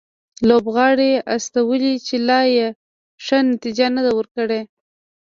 لوبغاړي استولي چې لا یې ښه نتیجه نه ده ورکړې